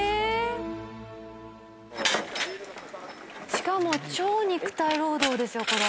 しかも超肉体労働ですよこれ。